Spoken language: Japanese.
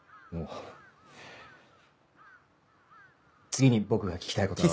次に僕が聞きたいことは。